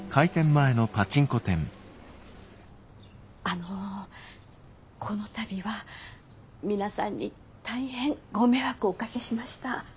あのこの度は皆さんに大変ご迷惑をおかけしました。